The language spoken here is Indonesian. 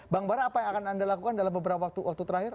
bang bara apa yang akan anda lakukan dalam beberapa waktu terakhir